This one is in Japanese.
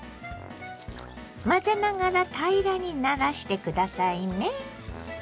混ぜながら平らにならして下さいね。